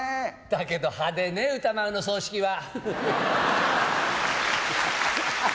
だけど、派手ね、歌丸の葬式は。